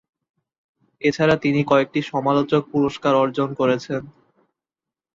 এছাড়া তিনি কয়েকটি সমালোচক পুরস্কার অর্জন করেছেন।